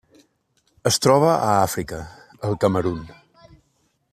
Es troba a Àfrica: el Camerun.